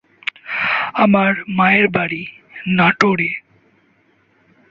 আমার মায়ের বাড়ি নাটোরে।